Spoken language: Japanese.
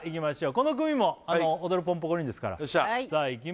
この組も「おどるポンポコリン」ですからさあいき